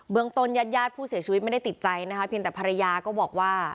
เบื้องต้นยาดยาดผู้เสียชีวิตไม่ได้ติดใจนะครับเพียงแต่ภรรยาก็บอกว่า